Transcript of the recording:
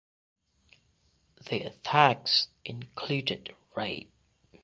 The attacks included rape.